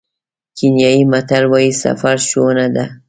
کینیايي متل وایي سفر ښوونه ده.